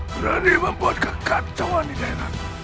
berani membuat kekacauan di daerah